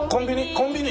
コンビニ？